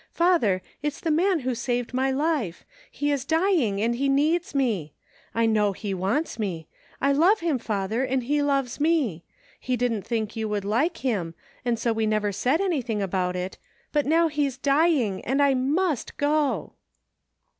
Father, it's tihe man who saved my life ! He is dying and he needs me. I know he wants me. I love him, father, and he loves me ! He didn't think you would like him, and so we never said any thing about it — but now he's dying and I must go!"